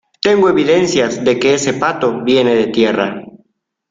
tengo evidencias de que ese pato viene de tierra.